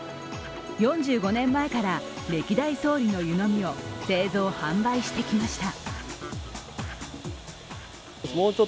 ４５年前から歴代総理の湯飲みを製造・販売してきました。